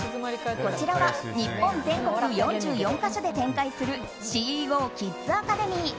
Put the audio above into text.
こちらは日本全国４４か所で展開するＣＥＯキッズアカデミー。